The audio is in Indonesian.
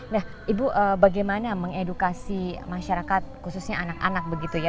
nah ibu bagaimana mengedukasi masyarakat khususnya anak anak begitu ya